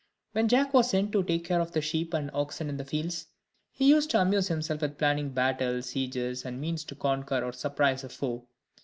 When Jack was sent to take care of the sheep and oxen in the fields, he used to amuse himself with planning battles, sieges, and the means to conquer or surprise a foe.